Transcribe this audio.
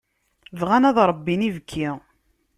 Bɣan ad ṛebbin ibekki.